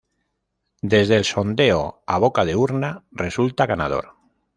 Desde el sondeo a boca de urna resulta ganador.